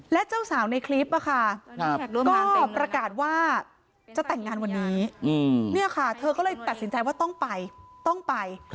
และเจ้าสาวในคลิปก็ประกาศว่าจะแต่งงานวันนี้เนี่ยค่ะเธอก็เลยตัดสินใจว่าต้องไปต้องไป